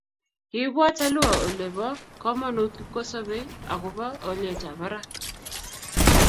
Kiibwat alua Ole bo komonut kipkosobei akobo olyetab barak